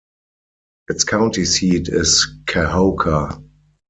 Its county seat is Kahoka.